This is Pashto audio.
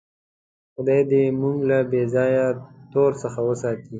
خدای دې موږ له بېځایه تور څخه وساتي.